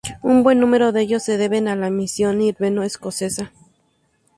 Un buen número de ellos se deben a la misión hiberno-escocesa.